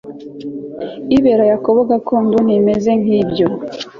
Ibera Yakobo gakondo ntimeze nkibyo